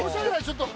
ちょっと。